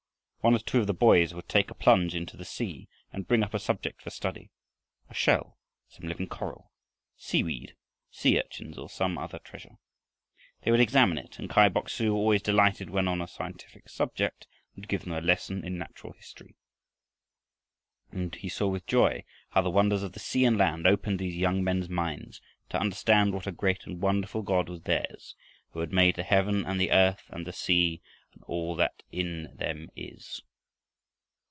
One or two of the boys would take a plunge into the sea and bring up a subject for study, a shell, some living coral, sea weed, sea urchins, or some such treasure. They would examine it, and Kai Bok su, always delighted when on a scientific subject, would give them a lesson in natural history. And he saw with joy how the wonders of the sea and land opened these young men's minds to understand what a great and wonderful God was theirs, who had made "the heaven and the earth and the sea, and all that in them is."